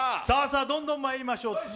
さあ、どんどんまいりましょう。